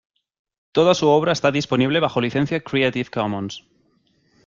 Toda su obra está disponible bajo licencia Creative Commons.